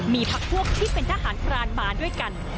มีพักพวกที่เป็นทหารพรานมาด้วยกัน